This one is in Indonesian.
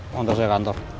montar saya ke kantor